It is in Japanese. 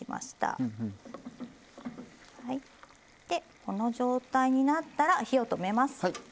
でこの状態になったら火を止めます。